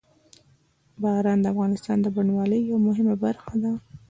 باران د افغانستان د بڼوالۍ یوه مهمه برخه ده.